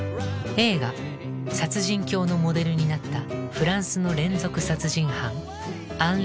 映画「殺人狂」のモデルになったフランスの連続殺人犯アンリ・ランドリュー。